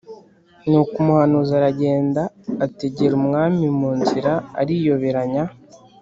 Nuko umuhanuzi aragenda ategera umwami mu nzira ariyoberanya